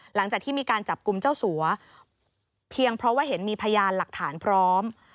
หลังจากที่มีการจับกลุ่มเจ้าสัวเพียงเพราะว่าเห็นมีพยานหลักฐานพร้อม